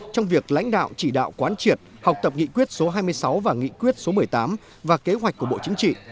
trong việc lãnh đạo chỉ đạo quán triệt học tập nghị quyết số hai mươi sáu và nghị quyết số một mươi tám và kế hoạch của bộ chính trị